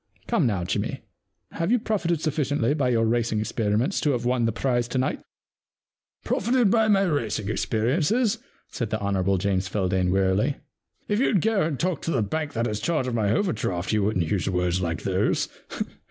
Come now, Jimmy, have you profited suffi ciently by your racing experiences to have won the prize to night ?Profited by my racing experiences ?' said the Hon. James Feldane wearily. * If you*d g© and talk to the bank that has charge of my overdraft you wouldn*t use words like those.